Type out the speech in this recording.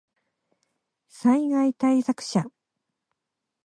災害対策車